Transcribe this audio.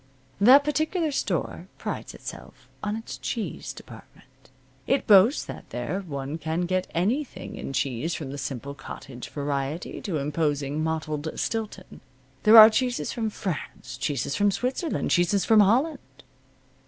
That particular store prides itself on its cheese department. It boasts that there one can get anything in cheese from the simple cottage variety to imposing mottled Stilton. There are cheeses from France, cheeses from Switzerland, cheeses from Holland.